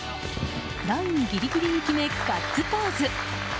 ラインギリギリに決めガッツポーズ！